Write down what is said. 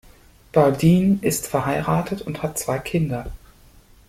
Bardeen ist verheiratet und hat zwei Kinder.